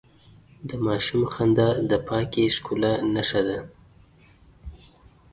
د ماشوم خندا د پاکې ښکلا نښه ده.